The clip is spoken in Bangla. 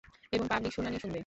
এবং পাবলিক শুনানি শুনবে।